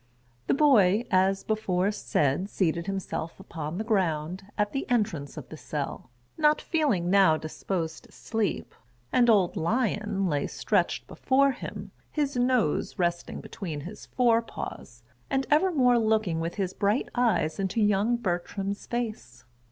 The boy, as before said, seated himself upon the ground at the entrance of the cell, not feeling now disposed to sleep; and old Lion lay stretched before him, his nose resting between his fore paws, and evermore looking with his bright eyes into young Bertram's face.